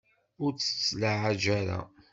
Ur tt-ttlaɛaj ara.